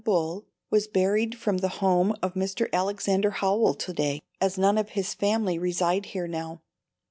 Bull was buried from the home of Mr. Alexander Howell to day, as none of his family reside here now.